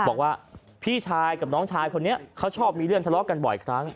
บอกว่าพี่ชายกับน้องชายคนนี้เขาชอบมีเรื่องทะเลาะกันบ่อยครั้ง